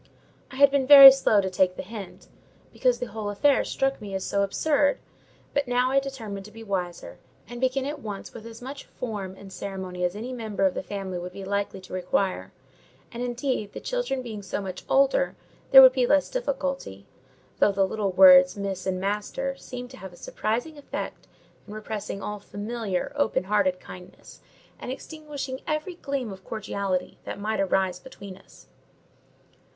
I had been very slow to take the hint, because the whole affair struck me as so very absurd; but now I determined to be wiser, and begin at once with as much form and ceremony as any member of the family would be likely to require: and, indeed, the children being so much older, there would be less difficulty; though the little words Miss and Master seemed to have a surprising effect in repressing all familiar, open hearted kindness, and extinguishing every gleam of cordiality that might arise between us.